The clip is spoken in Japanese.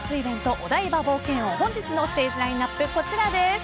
お台場冒険王、本日のステージラインアップはこちらです。